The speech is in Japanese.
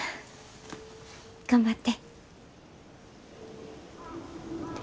頑張って。